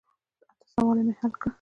اته سواله مې حل کړه.